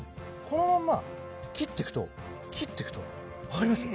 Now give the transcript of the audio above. このまま切っていくと切っていくと分かります？